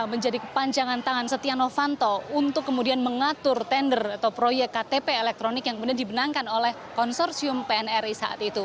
menjadi kepanjangan tangan setia novanto untuk kemudian mengatur tender atau proyek ktp elektronik yang kemudian dibenangkan oleh konsorsium pnri saat itu